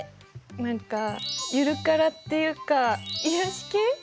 何かゆるキャラっていうか癒し系？